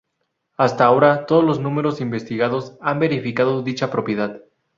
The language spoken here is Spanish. Hasta ahora, todos los números investigados han verificado dicha propiedad.